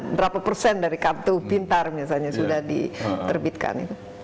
berapa persen dari kartu pintar misalnya sudah diterbitkan